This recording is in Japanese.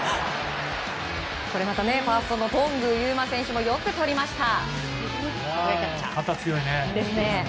これまたファーストの頓宮裕真選手もよくとりました。